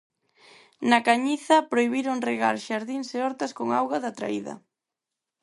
Na Cañiza prohibiron regar xardíns e hortas con auga da traída.